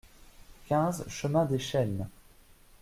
quinze chemin Dès Chênes